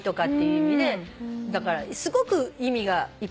だからすごく意味がいっぱいある。